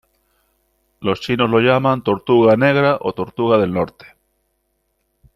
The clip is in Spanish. Los chinos lo llaman Tortuga negra o tortuga del norte.